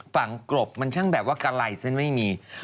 กรบมันช่างแบบว่ากะไหล่ซึ่งไม่มี